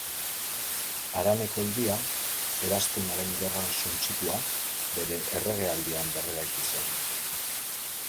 Haraneko Hiria, Eraztunaren Gerran suntsitua, bere erregealdian berreraiki zen.